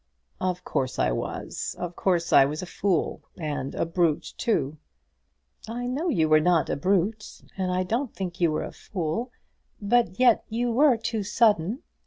"Of course I was. Of course I was a fool, and a brute too." "I know you were not a brute, and I don't think you were a fool; but yet you were too sudden.